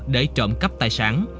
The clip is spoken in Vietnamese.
để trộm cắp tài sản